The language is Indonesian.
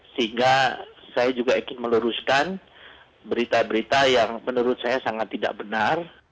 sehingga saya juga ingin meluruskan berita berita yang menurut saya sangat tidak benar